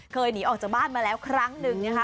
หนีออกจากบ้านมาแล้วครั้งหนึ่งนะคะ